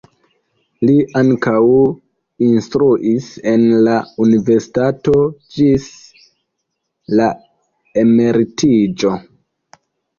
Li ankaŭ instruis en la universitato ĝis la emeritiĝo.